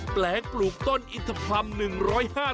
แปลงปลูกต้นอินทพลัม๑๐๐ปี